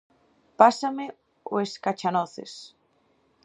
Pásame o escachanoces.